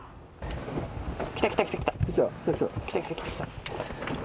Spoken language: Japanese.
来た？来た来た？来た来た。